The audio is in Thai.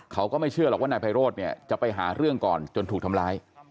เขาก็ไม่เชื่อหรอกว่านายไพโรธเนี่ยจะไปหาเรื่องก่อนจนถูกทำร้าย